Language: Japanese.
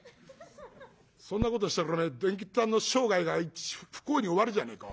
「そんなことしたら伝吉っつぁんの生涯が不幸に終わるじゃねえかおめえ。